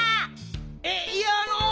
えっいやあの。